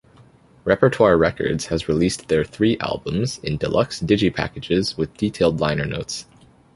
Repertoire Records has released their three albums in deluxe digi-packages with detailed liner notes.